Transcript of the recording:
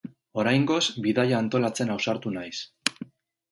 Oraingoz, bidaia antolatzen ausartu naiz.